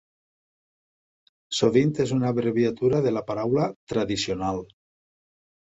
sovint és una abreviatura de la paraula "tradicional".